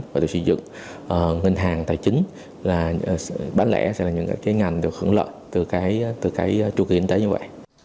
chuyên dựng ngân hàng tài chính bán lễ sẽ là những ngành được hướng lợi từ chua kỳ kinh tế như vậy